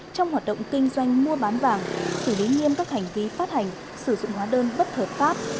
trong hoạt động kinh doanh mua bán vàng xử lý nghiêm các hành vi phát hành sử dụng hóa đơn bất hợp pháp